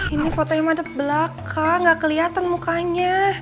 ini foto yang ada belakang gak keliatan mukanya